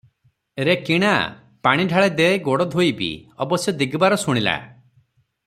ରେ କିଣା, ପାଣି ଢାଳେ ଦେ ଗୋଡ଼ ଧୋଇବି ।' ଅବଶ୍ୟ ଦିଗବାର ଶୁଣିଲା ।